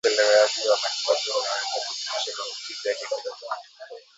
Uchelewaji wa matibabu unaweza kuzidisha maambukizi hadi kwenye mifupa